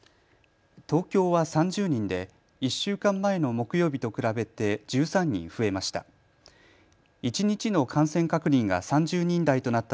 東京は３０人で１週間前の木曜日と比べて１３人増えました。